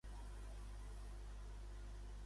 Quin altra posició li va ser atorgada?